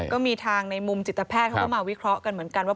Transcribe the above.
ก็มีทางในมุมจิตแพทย์เขาก็มาวิเคราะห์กันเหมือนกันว่า